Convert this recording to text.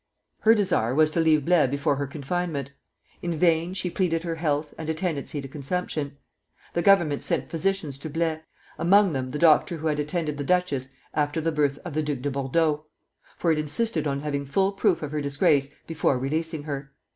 Her desire was to leave Blaye before her confinement. In vain she pleaded her health and a tendency to consumption. The Government sent physicians to Blaye, among them the doctor who had attended the duchess after the birth of the Duc de Bordeaux; for it insisted on having full proof of her disgrace before releasing her.